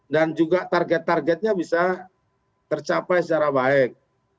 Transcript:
dan juga target targetnya bisa tercapai secara baik